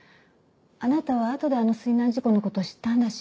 あなたはあとであの水難事故の事を知ったんだし。